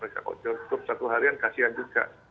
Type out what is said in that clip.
kalau jatuh satu harian kasihan juga